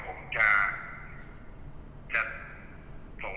คุณพ่อได้จดหมายมาที่บ้าน